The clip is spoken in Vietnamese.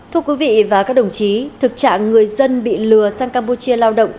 thưa quý vị và các đồng chí thực trạng người dân bị lừa sang campuchia lao động